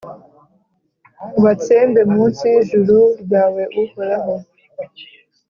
ubatsembe mu nsi y’ijuru ryawe, Uhoraho.